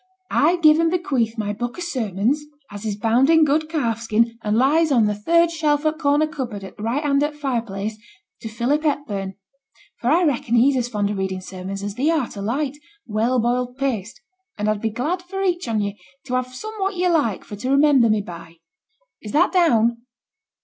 I give and bequeath my book o' sermons, as is bound in good calfskin, and lies on the third shelf o' corner cupboard at the right hand o' t' fire place, to Philip Hepburn; for I reckon he's as fond o' reading sermons as thee art o' light, well boiled paste, and I'd be glad for each on ye to have somewhat ye like for to remember me by. Is that down?